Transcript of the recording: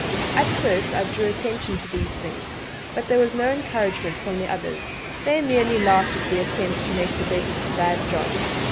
At first I drew attention to these things, but there was no encouragement from the others; they merely laughed at the attempt to make the best of a bad job.